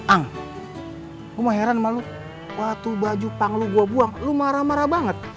ang gua mah heran sama lu waktu baju pang lu gua buang lu marah marah banget